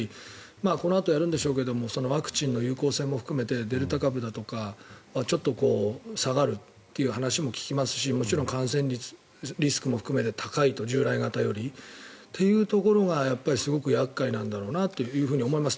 このあと、やるんでしょうけどワクチンの有効性も含めてデルタ株だとかちょっと下がるという話も聞きますしもちろん感染リスクも高いと従来型よりというところがやっぱりすごく厄介なんだろうなと思います。